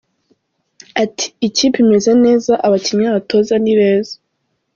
Ati“ikipe imeze neza abakinnyi n’abatoza ni beza.